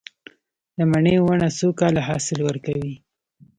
د مڼې ونه څو کاله حاصل ورکوي؟